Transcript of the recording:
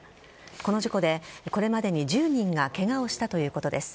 この事故で、これまでに１０人がケガをしたということです。